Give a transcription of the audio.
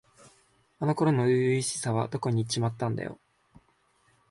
あの頃の初々しさはどこにいっちまったんだよ。